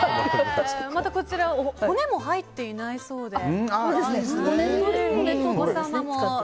こちら骨も入っていないそうで。